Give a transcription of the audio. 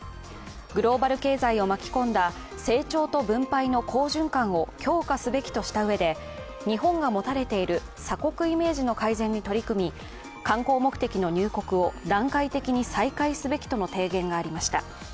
グローバル経済を巻き込んだ成長と分配の好循環を強化すべきとしたうえで、日本が持たれている鎖国イメージの改善に取り組み観光目的の入国を段階的に再開すべきとの提言がありました。